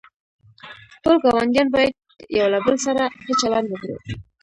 ټول گاونډیان باید یوله بل سره ښه چلند وکړي.